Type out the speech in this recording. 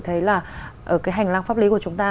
thấy là cái hành lang pháp lý của chúng ta